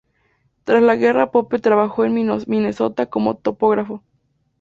Tras la guerra Pope trabajó en Minnesota como topógrafo.